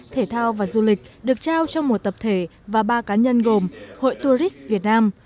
thể thao và du lịch được trao cho một tập thể và ba cá nhân gồm hội tourist việt nam